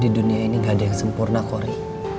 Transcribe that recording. di dunia ini gak ada yang sempurna kori